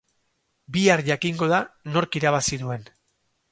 Bihar jakingo da nork irabazi duen.